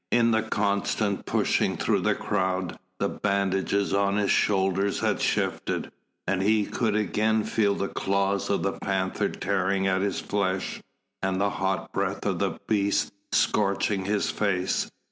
In the constant pushing through the crowd the bandages on his shoulder had shifted, and he could again feel the claws of the panther tearing at his flesh, and the hot breath of the beast scorching his face.